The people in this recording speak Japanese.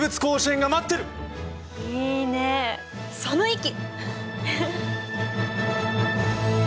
いいねその意気！